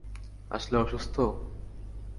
-আসলে-- - অসুস্থ?